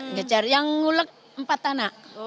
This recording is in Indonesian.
ngejar yang ngulek empat tanah